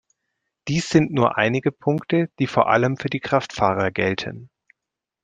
Dies sind nur einige Punkte, die vor allem für die Kraftfahrer gelten.